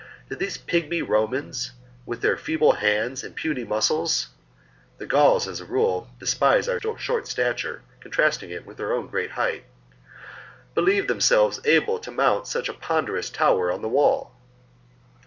Did those pygmy Romans, with their feeble hands and puny muscles (the Gauls, as a rule, despise our short stature, con trasting it with their own great height), believe themselves able to mount such a ponderous tower on the wall